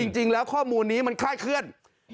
จริงแล้วข้อมูลนี้มันคลายเคลื่อน